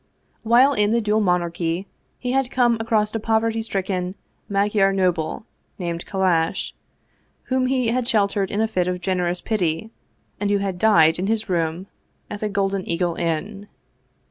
While in the dual monarchy, he had come across a poverty stricken Magyar noble, named Kallash, whom he had sheltered in a fit of generous pity, and who had died in his room at the Golden Eagle Inn.